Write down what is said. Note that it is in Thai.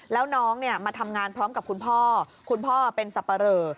แล้วน้องมาทำงานพร้อมกับคุณพ่อคุณพ่อเป็นสับปะเรอ